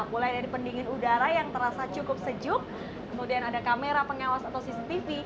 mulai dari pendingin udara yang terasa cukup sejuk kemudian ada kamera pengawas atau cctv